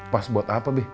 pas buat apa be